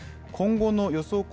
今後の予想